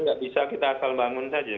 nggak bisa kita asal bangun saja